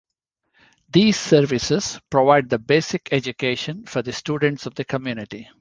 These services provide the basic education for the students of the community.